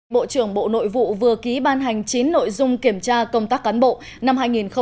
bộ trưởng bộ nội vụ vừa ký ban hành chín nội dung kiểm tra công tác cán bộ năm hai nghìn một mươi chín